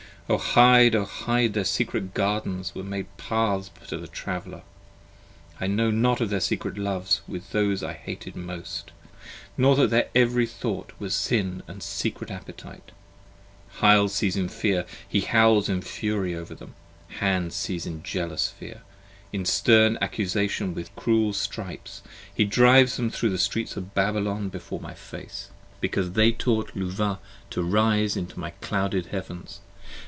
O hide, O hide! 25 Their secret gardens were made paths to the traveller: I knew not of their secret loves with those I hated most, Nor that their every thought was Sin & secret appetite. Hyle sees in fear, he howls in fury over them. Hand sees In jealous fear: in stern accusation with cruel stripes 30 He drives them thro' the Streets of Babylon before my face: 22 Because they taught Luvah to rise into my clouded heavens.